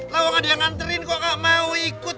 lah orang ada yang nganterin kok gak mau ikut